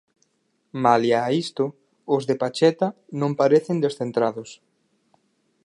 Malia a isto, os de Pacheta non parecen descentrados.